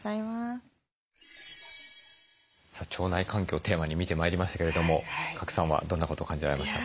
さあ腸内環境をテーマに見てまいりましたけれども賀来さんはどんなことを感じられましたか？